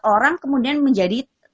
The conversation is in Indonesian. orang kemudian menjadi